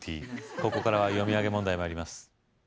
ここからは読み上げ問題参ります